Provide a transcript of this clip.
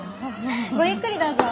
ごゆっくりどうぞ。